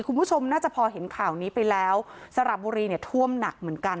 คุณผู้ชมน่าจะพอเห็นข่าวนี้ไปแล้วสระบุรีเนี่ยท่วมหนักเหมือนกัน